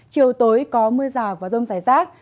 chiều tối có mưa rào và rông giải rác